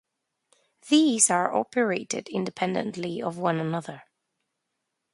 These are operated independently of one another.